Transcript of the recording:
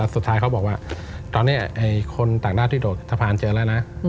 เขาบอกว่าตอนนี้คนต่างด้าวที่โดดสะพานเจอแล้วนะ